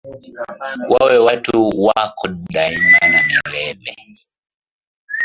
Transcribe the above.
Wawe watu wako daima na milele